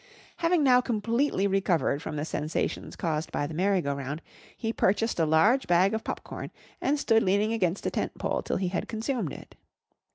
Having now completely recovered from the sensations caused by the merry go round, he purchased a large bag of pop corn and stood leaning against a tent pole till he had consumed it.